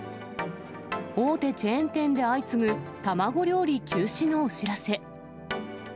大手チェーン店で相次ぐ卵料理休止のお知らせ。